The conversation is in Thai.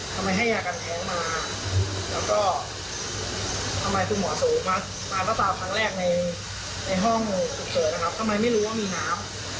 เช้าก็ไม่รู้ว่ามีฐา